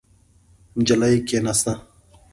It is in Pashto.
نجلۍ کېناسته.